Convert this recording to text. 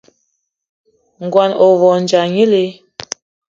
Ngón ohandja gnila